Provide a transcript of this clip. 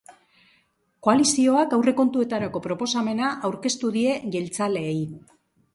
Koalizioak aurrekontuetarako proposamena aurkeztu die jeltzaleei.